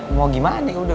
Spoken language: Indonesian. ya mau gimana ya udah